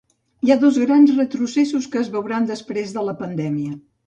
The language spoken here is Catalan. Hi ha dos grans retrocessos que es veuran després de la pandèmia.